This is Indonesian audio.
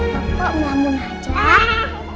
papa mau ngajak